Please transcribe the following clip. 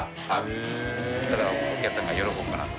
そしたらお客さんが喜ぶかなと。